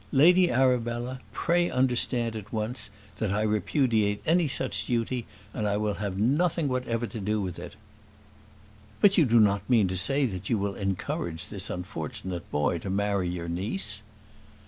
"Lady Arabella, pray understand at once, that I repudiate any such duty, and will have nothing whatever to do with it." "But you do not mean to say that you will encourage this unfortunate boy to marry your niece?"